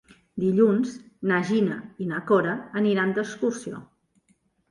Dilluns na Gina i na Cora aniran d'excursió.